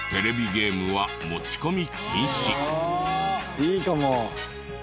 いいかも。